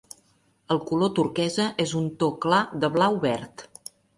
El color "turquesa" és un to clar de blau-verd.